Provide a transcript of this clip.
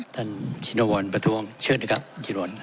ชินวรประท้วงเชิญนะครับชินวร